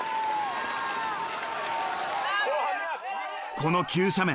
この急斜面